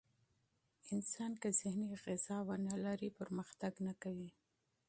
انسان که ذهني غذا ونه لري، پرمختګ نه کوي.